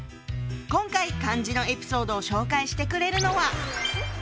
今回漢字のエピソードを紹介してくれるのは。